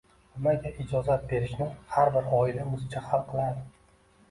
nimaga ijozat berishni har bir oila o‘zicha hal qiladi.